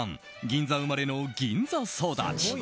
銀座生まれの銀座育ち。